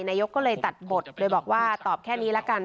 นายกก็เลยตัดบทโดยบอกว่าตอบแค่นี้ละกัน